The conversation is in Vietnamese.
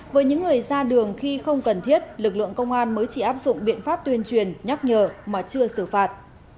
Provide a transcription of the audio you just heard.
với những người ra đường khi không cần thiết lực lượng công an mới chỉ áp dụng biện pháp tuyên truyền nhắc nhở mà chưa xử phạt